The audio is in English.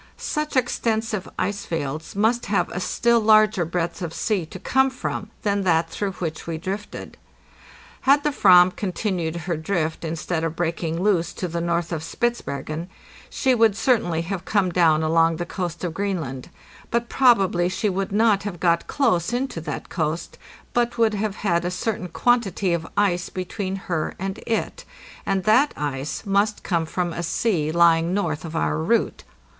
Such exten sive ice fields must have a still larger breadth of sea to come from than that through which we drifted. Had the vam con tinued her drift instead of breaking loose to the north of Spitz bergen, she would certainly have come down along the coast of Greenland; but probably she would not have got close in to that coast, but would have had a certain quantity of ice be tween her and it; and that ice must come from a sea lying north of our route.